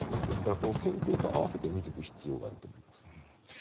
ですから戦況と併せて見ていく必要があると思います。